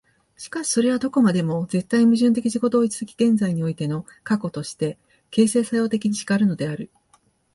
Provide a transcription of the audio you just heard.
しかしそれはどこまでも絶対矛盾的自己同一的現在においての過去として、形成作用的に然るのである。